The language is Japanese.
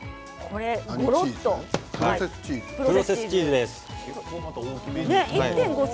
プロセスチーズです。